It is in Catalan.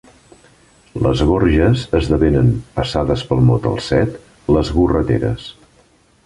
«Les gorges» esdevenen, passades pel mot al set, «Les gorreteres».